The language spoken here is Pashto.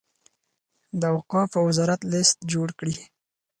د اوقافو وزارت لست جوړ کړي.